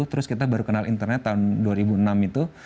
terus kita baru kenal internet tahun dua ribu enam itu